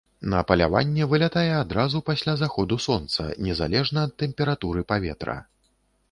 На паляванне вылятае адразу пасля захаду сонца незалежна ад тэмпературы паветра.